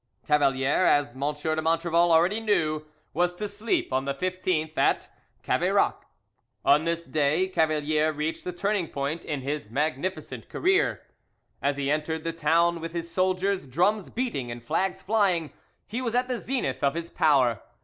Cavalier, as M. de Montrevel already knew, was to sleep on the 15th at Caveyrac. On this day Cavalier reached the turning point in his magnificent career. As he entered the town with his soldiers, drums beating and flags flying, he was at the zenith of his power.